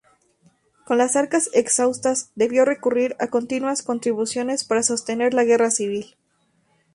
Con las arcas exhaustas debió recurrir a continuas contribuciones para sostener la guerra civil.